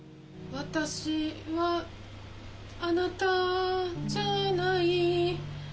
「私はあなたじゃない」